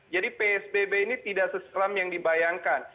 jadi psbb ini tidak seseram yang dibayangkan